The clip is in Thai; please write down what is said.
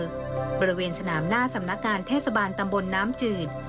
วัดล่างอำเภอกะเปอร์บริเวณสนามหน้าสำนักการเทศบาลตำบลน้ำจืด